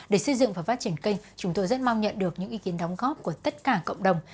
để xây dựng và phát triển kênh chúng tôi rất mong nhận được những ý kiến đóng góp của tất cả cộng đồng